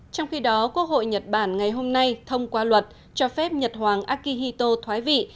trong khi đó quốc hội nhật bản ngày hôm nay thông qua luật cho phép nhật hoàng akihito thoái vị